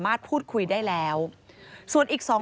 พบหน้าลูกแบบเป็นร่างไร้วิญญาณ